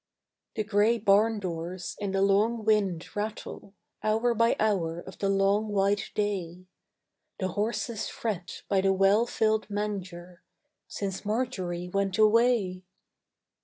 The gray barn doors in the long wind rattle Hour by hour of the long white day. The horses fret by the well filled manger Since Marjory went away.